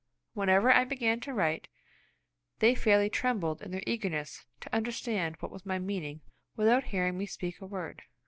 Whenever I began to write, they fairly trembled in their eagerness to understand what was my meaning without hearing me speak a word.